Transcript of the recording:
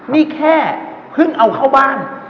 นี่แค่เพิ่งเอาเข้าบ้าน